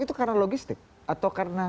itu karena logistik atau karena